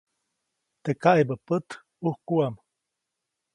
Teʼ kaʼebä pät, ʼujkuʼam.